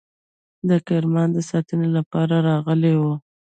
د کرمان د ساتنې لپاره راغلي وه.